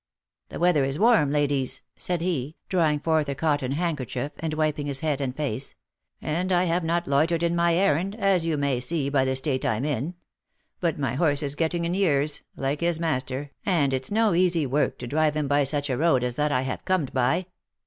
"The weather is warm, ladies/' said he, drawing forth a cotton handkerchief, and wiping his head and face, " and I have not loitered in my errand, as you may see by the state I'm in ; but my horse is getting in years, like his master, and it's no easy work to drive him by such a road as that I have corned by."